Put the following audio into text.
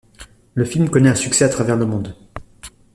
Le film connaît un succès à travers le monde.